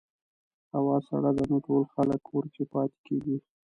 هوا سړه ده، نو ټول خلک کور کې پاتې کېږي.